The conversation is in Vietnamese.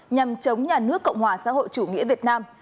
nhằm chống nhà nước cộng hòa xã hội chủ nghĩa việt nam